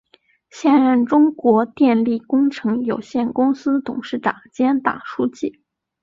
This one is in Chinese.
现任中国电力工程有限公司董事长兼党书记。